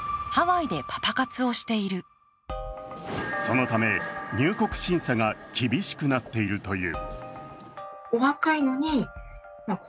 そのため、入国審査が厳しくなっているという。